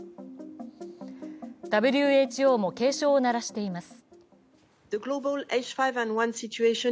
ＷＨＯも警鐘を鳴らしています。